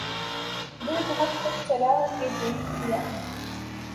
دل بہت کچھ جلا کے دیکھ لیا